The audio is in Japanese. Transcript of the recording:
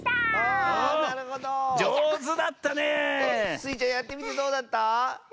スイちゃんやってみてどうだった？